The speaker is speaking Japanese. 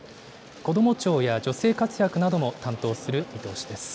こども庁や女性活躍なども担当する見通しです。